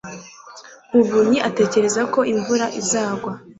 muvunyi atekereza ko imvura izagwa